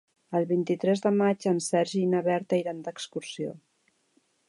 El vint-i-tres de maig en Sergi i na Berta iran d'excursió.